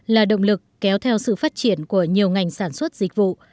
là động lực kéo theo sự phát triển của nhiều ngành sản xuất dịch vụ